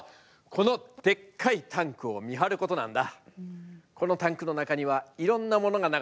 僕の仕事はこのでっかいタンクを見張ることなんだ。